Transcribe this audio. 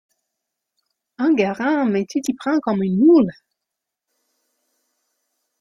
Enguerrand mais tu t’y prends comme une moule!